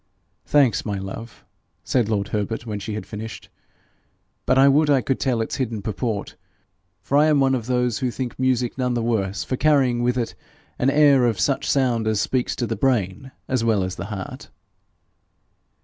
'Thanks, my love,' said lord Herbert, when she had finished. 'But I would I could tell its hidden purport; for I am one of those who think music none the worse for carrying with it an air of such sound as speaks to the brain as well as the heart.'